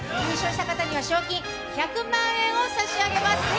優勝した人には賞金１００万円を差し上げます。